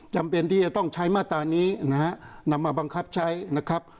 จำเป็นที่จะต้องใช้มาตรานี้นะฮะนำมาบังคับใช้นะครับ